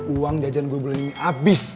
uang jajan gue bulan ini abis